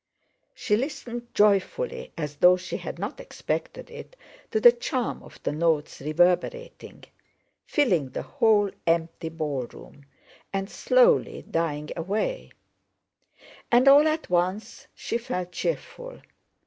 She listened joyfully (as though she had not expected it) to the charm of the notes reverberating, filling the whole empty ballroom, and slowly dying away; and all at once she felt cheerful.